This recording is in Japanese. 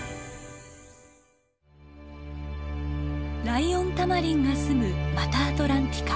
ライオンタマリンがすむマタアトランティカ。